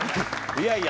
いやいや。